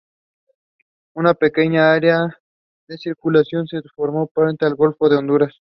Una pequeña área de circulación se formó frente al golfo de Honduras.